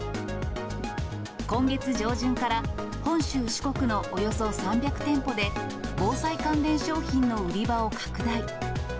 今月上旬から、本州、四国のおよそ３００店舗で、防災関連商品の売り場を拡大。